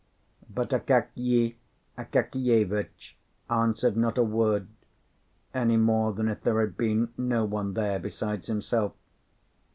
But Akakiy Akakievitch answered not a word, any more than if there had been no one there besides himself.